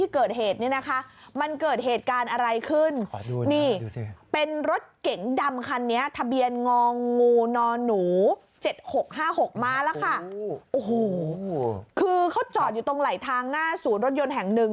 คือเขาจอดอยู่ตรงไหลทางหน้าศูนย์รถยนต์แห่งหนึ่ง